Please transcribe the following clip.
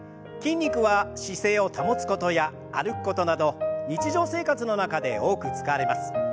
筋肉は姿勢を保つことや歩くことなど日常生活の中で多く使われます。